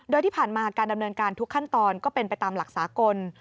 โดยที่ผ่านมาการดำเนินการทุกขั้นตอนก็เป็นไปตามหลักสากล